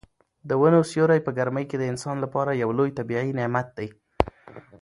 د ونو سیوری په ګرمۍ کې د انسان لپاره یو لوی طبیعي نعمت دی.